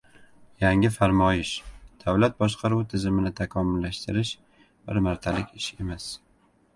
Yangi farmoyish: Davlat boshqaruvi tizimini takomillashtirish bir martalik ish emas